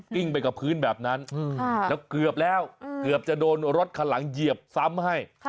ไปกับพื้นแบบนั้นแล้วเกือบแล้วเกือบจะโดนรถคันหลังเหยียบซ้ำให้